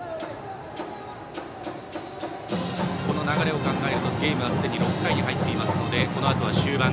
この流れを考えるとゲームはすでに６回に入っていますのでこのあとは終盤。